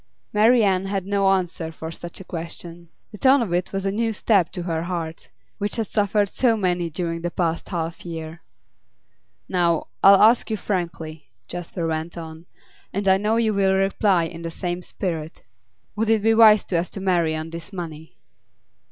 Marian had no answer for such a question. The tone of it was a new stab to her heart, which had suffered so many during the past half year. 'Now, I'll ask you frankly,' Jasper went on, 'and I know you will reply in the same spirit: would it be wise for us to marry on this money?